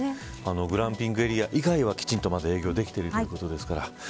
グランピングエリア以外はまだ、きちんと営業できているということです。